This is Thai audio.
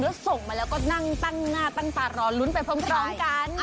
แล้วส่งมาแล้วก็นั่งตั้งหน้าตั้งตารอลุ้นไปพร้อมกัน